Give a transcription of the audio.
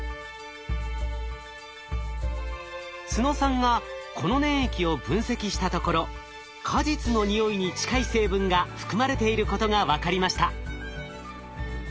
都野さんがこの粘液を分析したところ果実の匂いに近い成分が含まれていることが分かりました。